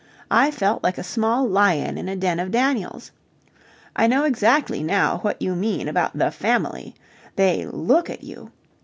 I felt like a small lion in a den of Daniels. I know exactly now what you mean about the Family. They look at you!